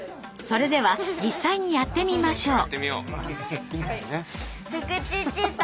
それでは実際にやってみましょう。